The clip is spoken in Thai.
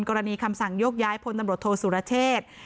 คำสั่งโยกย้ายพลตำรวจโทษสุรเชษ